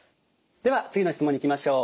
では次の質問にいきましょう。